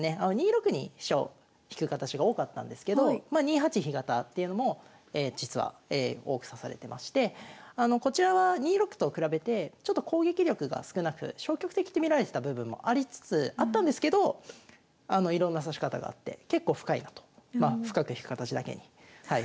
２六に飛車を引く形が多かったんですけどま２八飛型っていうのも実は多く指されてましてこちらは２六と比べてちょっと攻撃力が少なく消極的に見られてた部分もありつつあったんですけどいろんな指し方があって結構深いなと。